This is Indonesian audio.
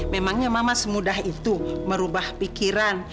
memangnya mama semudah itu merubah pikiran